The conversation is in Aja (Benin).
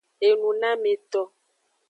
Enunameto.